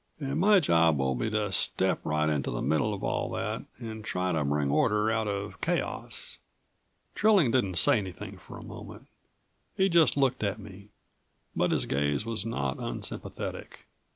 "And my job will be to step right into the middle of all that, and try to bring order out of chaos." Trilling didn't say anything for a moment. He just looked at me, but his gaze was not unsympathetic.